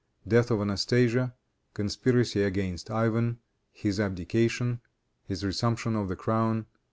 Death of Anastasia. Conspiracy Against Ivan. His Abdication. His Resumption of the Crown.